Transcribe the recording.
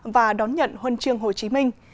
và đón nhận huân chương hồ chí minh